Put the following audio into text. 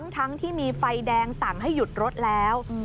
ทั้งที่มีไฟแดงสั่งให้หยุดรถแล้ว